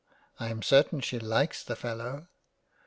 I am certain she likes the Fellow.